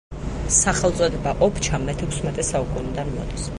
სახელწოდება ობჩა მეთექვსმეტე საუკუნიდან მოდის.